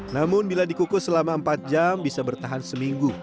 namun bila dikukus selama empat jam bisa bertahan seminggu